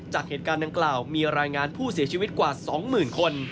จากเหตุการณ์ดังกล่าวมีรายงานผู้เสียชีวิตกว่า๒๐๐๐คน